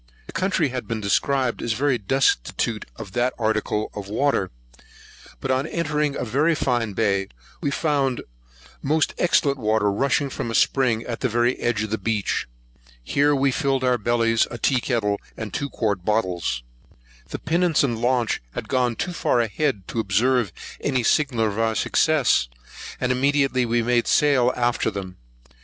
The country had been described as very destitute of the article of water; but on entering a very fine bay, we found most excellent water rushing from a spring at the very edge of the beach. Here we filled our bellies, a tea kettle, and two quart bottles. The pinnace and launch had gone too far ahead to observe any signal of our success; and immediately we made sail after them.